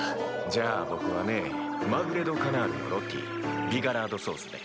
じゃあぼくはねマグレ・ド・カナールのロティビガラードソースで。